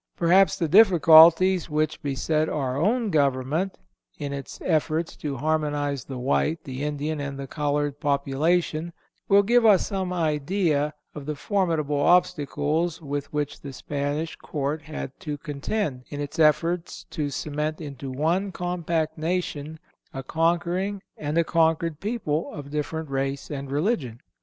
Perhaps the difficulties which beset our own Government in its efforts to harmonize the white, the Indian and the colored population, will give us some idea of the formidable obstacles with which the Spanish court had to contend in its efforts to cement into one compact nation a conquering and a conquered people of different race and religion.